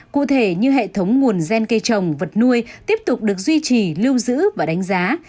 cụ thể như hệ thống nguồn gen cây trồng vật nuôi tiếp tục được duy trì lưu giữ và đánh giá